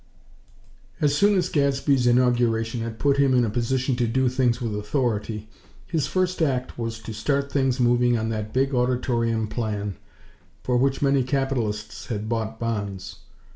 IV As soon as Gadsby's inauguration had put him in a position to do things with authority, his first act was to start things moving on that big auditorium plan, for which many capitalists had bought bonds.